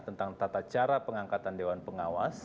tentang tata cara pengangkatan dewan pengawas